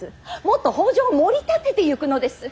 もっと北条をもり立ててゆくのです！